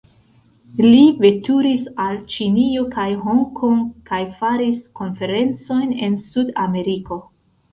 Li veturis al Ĉinio kaj Hong Kong kaj faris konferencojn en Sud-Ameriko.